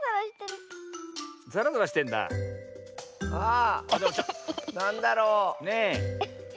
あなんだろう？ねえ。